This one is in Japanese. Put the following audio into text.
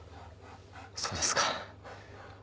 そうですか。